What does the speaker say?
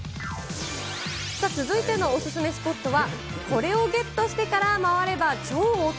続いてのお勧めスポットは、これをゲットしてから回れば超お得！